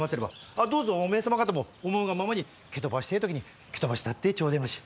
あっどうぞおめえ様方も思うがままに蹴飛ばしてえ時に蹴飛ばしたってちょでまし！